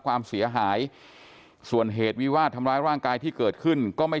ความเสียหายส่วนเหตุวิวาดทำร้ายร่างกายที่เกิดขึ้นก็ไม่